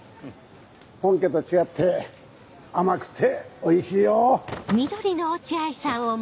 本家と違って甘くておいしいよ！